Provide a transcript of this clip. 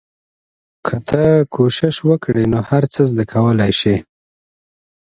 که ته کوشش وکړې نو هر څه زده کولای سې.